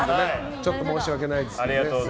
ちょっと申し訳ないですけど。